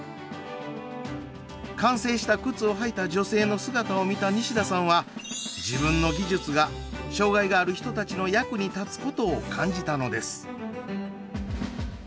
完成した靴を履いた女性の姿を見た西田さんは自分の技術が障害のある人たちの役に立つことを感じたのです。